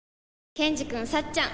ケンジくんさっちゃん